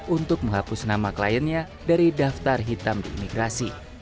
untuk menghapus nama kliennya dari daftar hitam di imigrasi